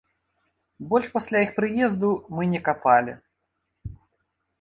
Больш пасля іх прыезду мы не капалі.